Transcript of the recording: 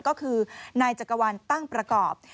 ก็คือนายจักรวรรณตั้งประกอบ